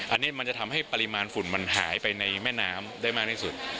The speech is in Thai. อันนี้มันจะทำให้ปริมาณฝุ่นมันหายไปในแม่น้ำได้มากที่สุด